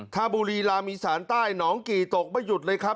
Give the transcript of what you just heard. ถ้าบุรีรามอีสานใต้หนองกี่ตกไม่หยุดเลยครับ